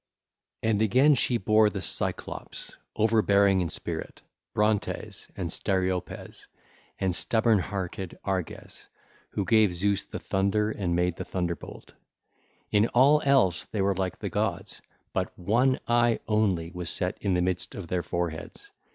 (ll. 139 146) And again, she bare the Cyclopes, overbearing in spirit, Brontes, and Steropes and stubborn hearted Arges 1606, who gave Zeus the thunder and made the thunderbolt: in all else they were like the gods, but one eye only was set in the midst of their fore heads.